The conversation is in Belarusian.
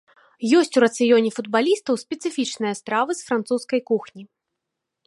Ёсць у рацыёне футбалістаў спецыфічныя стравы з французскай кухні.